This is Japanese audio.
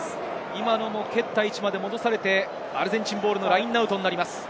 今のも蹴った位置まで戻されてアルゼンチンボールのラインアウトになります。